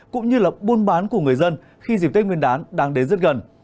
cũng như là buôn bán của người dân khi dịp tết nguyên đán đang đến rất gần